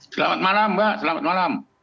selamat malam mbak selamat malam